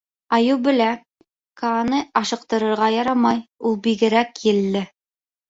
Айыу белә: Кааны ашыҡтырырға ярамай, ул бигерәк елле.